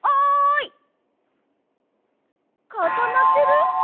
かたまってる？